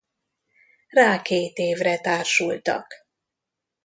Rá két évre társultak.